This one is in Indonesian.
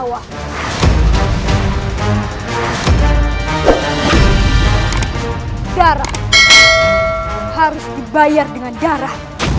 harus dibayar dengan darah